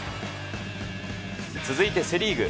続いてセ・リーグ。